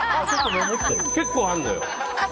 結構あんのよ。